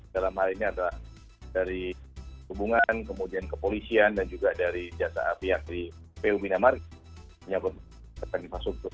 dalam hal ini adalah dari hubungan kemudian kepolisian dan juga dari jasa pihak di pu minamari